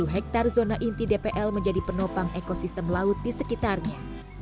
sepuluh hektar zona inti dpl menjadi penopang ekosistem laut di sekitarnya